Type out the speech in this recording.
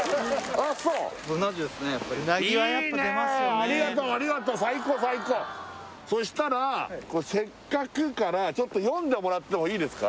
あそうありがとうありがとう最高最高そしたら「せっかく」から読んでもらってもいいですか？